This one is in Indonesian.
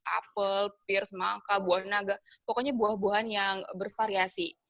apel pir semangka buah naga pokoknya buah buahan yang bervariasi